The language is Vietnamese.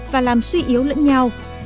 và làm suy yếu lẫn nhau